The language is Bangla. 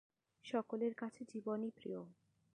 সকলের কাছে জীবনই প্রিয়।